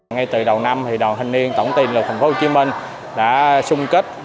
ngay từ đầu năm đoàn thanh niên tổng tình lực tp hcm đã xung kích